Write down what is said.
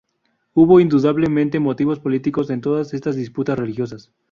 Hubo indudablemente motivos políticos en todas estas disputas religiosas.